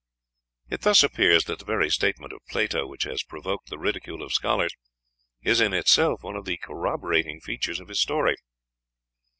It thus appears that the very statement of Plato which has provoked the ridicule of scholars is in itself one of the corroborating features of his story.